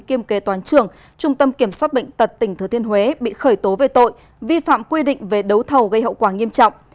kiêm kế toàn trường trung tâm kiểm soát bệnh tật tỉnh thừa thiên huế bị khởi tố về tội vi phạm quy định về đấu thầu gây hậu quả nghiêm trọng